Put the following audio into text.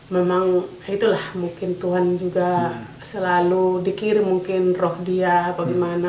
memang itulah mungkin tuhan juga selalu dikirim mungkin roh dia bagaimana